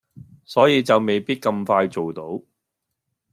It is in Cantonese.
所以就未必咁快做到